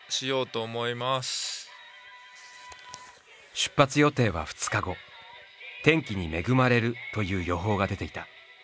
出発予定は２日後天気に恵まれるという予報が出ていた。